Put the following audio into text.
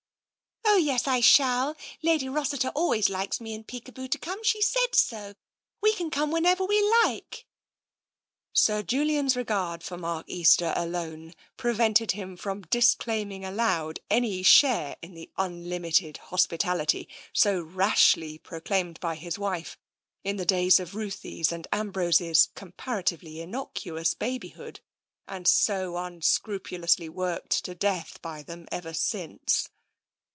" Oh, yes, I shall. Lady Rossiter always likes me and Peekaboo to come; she said so! We can come whenever we like." Sir Julian's regard for Mark Easter alone prevented him from disclaiming aloud any share in the unlimited hospitality so rashly proclaimed by his wife in the days 42 TENSION of Ruthie's and Ambrose's comparatively innocuous babyhood, and so unscrupulously worked to death by them ever since.